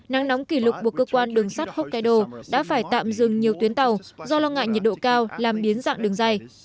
nắng nóng kỷ lục buộc cơ quan đường sắt hokkaido đã phải tạm dừng nhiều tuyến tàu do lo ngại nhiệt độ cao làm biến dạng đường dây